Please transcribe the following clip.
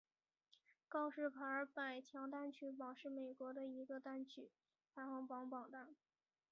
告示牌百强单曲榜是美国的一个单曲排行榜单。